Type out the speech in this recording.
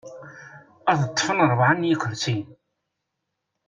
Ad ṭṭfen rebɛa n yikersiyen.